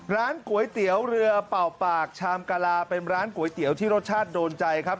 ร้านก๋วยเตี๋ยวเรือเป่าปากชามกะลาเป็นร้านก๋วยเตี๋ยวที่รสชาติโดนใจครับ